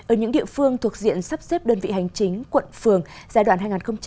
ở những địa phương thuộc diện sắp xếp đơn vị hành chính quận phường giai đoạn hai nghìn hai mươi ba hai nghìn ba mươi